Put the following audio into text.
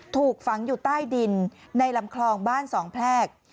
ถูกฝังอยู่ใต้ดินในลำคลองบ้านสองแพรก